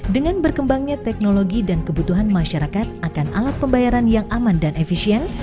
dengan berkembangnya teknologi dan kebutuhan masyarakat akan alat pembayaran yang aman dan efisien